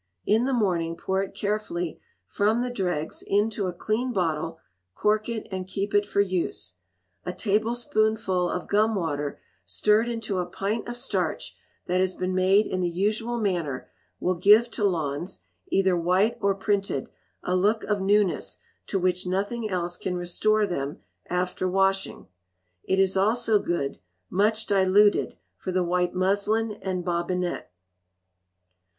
In the morning, pour it carefully from the dregs into a clean bottle, cork it, and keep it for use. A tablespoonful of gum water stirred into a pint of starch that has been made in the usual manner will give to lawns (either white or printed) a look of newness to which nothing else can restore them after washing. It is also good (much diluted) for the white muslin and bobbinet.